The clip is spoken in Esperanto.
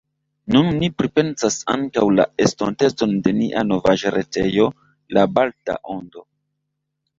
Nun ni pripensas ankaŭ la estontecon de nia novaĵretejo La Balta Ondo.